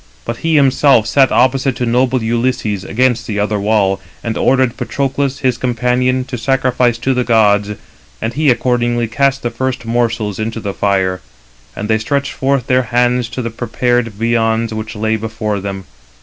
But he himself sat opposite to noble Ulysses, against the other wall, and ordered Patroclus, his companion, to sacrifice to the gods; and he accordingly cast the first morsels 300 into the fire. And they stretched forth their hands to the prepared viands which lay before them.